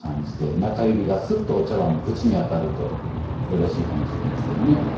中指がすっとお茶碗の縁に当たるとよろしいかもしれませんね。